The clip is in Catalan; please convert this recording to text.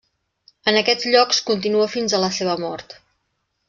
En aquests llocs continua fins a la seva mort.